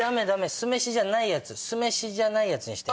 酢飯じゃないやつ酢飯じゃないやつにして。